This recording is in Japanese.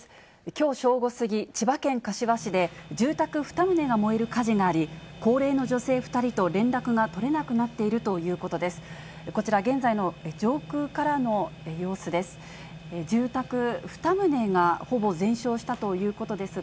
きょう正午過ぎ、千葉県柏市で、住宅２棟が燃える火事があり、高齢の女性２人と連絡が取れなくなっているということです。